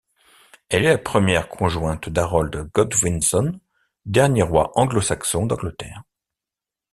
Elle est la première conjointe d'Harold Godwinson, dernier roi anglo-saxon d'Angleterre.